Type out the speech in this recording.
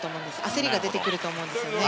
焦りが出てくると思うんですよね。